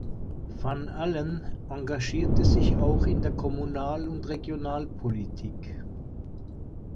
Van Allen engagierte sich auch in der Kommunal- und Regionalpolitik.